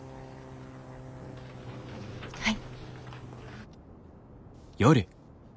はい。